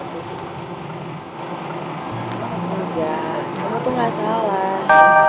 engga kamu tuh gak salah